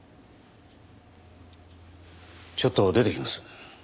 ちょっと出てきます。